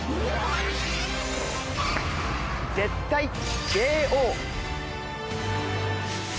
絶対Ｊ王。